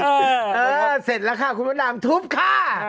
เออเสร็จแล้วค่ะคุณบันดามทุบค่ะ